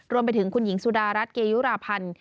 รวมไปถึงคุณหญิงสุดารัฐเกยุราพันธ์